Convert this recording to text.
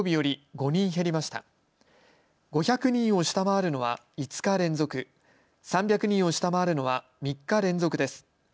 ５００人を下回るのは５日連続、３００人を下回るのは３日連続です。